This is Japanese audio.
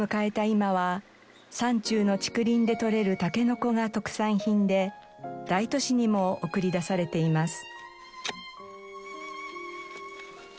今は山中の竹林で採れるタケノコが特産品で大都市にも送り出されています。